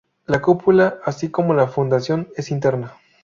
La cópula así como la fecundación es interna.